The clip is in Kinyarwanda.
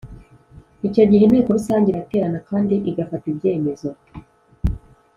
icyo gihe inteko rusange iraterana kandi igafata ibyemezo